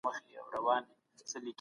د خدای خوښه غوره ده.